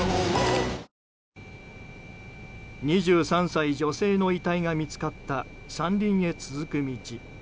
２３歳女性の遺体が見つかった山林へ続く道。